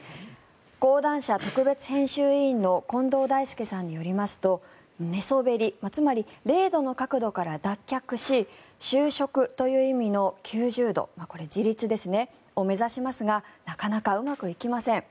講談社特別編集委員の近藤大介さんによりますと寝そべりつまり０度の角度から脱却し就職という意味の９０度自立を目指しますがなかなかうまくいきません。